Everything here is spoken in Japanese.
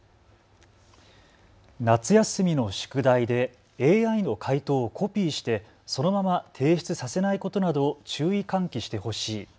夏休みの宿題でＡＩの回答をコピーしてそのまま提出させないことなどを注意喚起してほしい。